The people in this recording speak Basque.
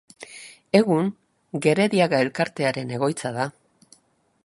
Egun Gerediaga Elkartearen egoitza da.